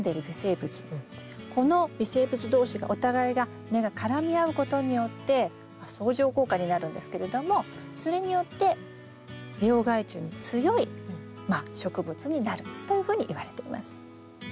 この微生物同士がお互いが根が絡み合うことによって相乗効果になるんですけれどもそれによって病害虫に強い植物になるというふうにいわれています。